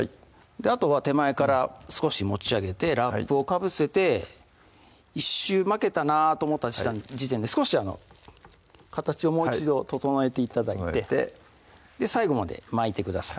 あとは手前から少し持ち上げてラップをかぶせて１周巻けたなと思った時点で少し形をもう一度整えて頂いて最後まで巻いてください